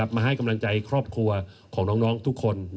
มาให้กำลังใจครอบครัวของน้องทุกคน